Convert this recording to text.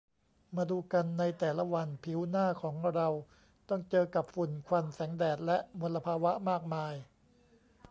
มาดูกัน ในแต่ละวันผิวหน้าของเราต้องเจอกับฝุ่น ควัน แสงแดด และมลภาวะมากมาย